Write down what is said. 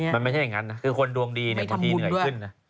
มันไม่ใช่อย่างนั้นนะคือคนดวงดีเนี่ยบางทีเหนื่อยขึ้นนะ